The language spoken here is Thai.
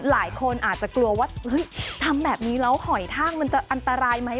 หลายคนอาจจะกลัวว่าเฮ้ยทำแบบนี้แล้วหอยท่างมันจะอันตรายไหม